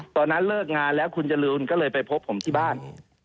ตอนนั้นเลิกงานแล้วคุณจรูนก็เลยไปพบผมที่บ้าน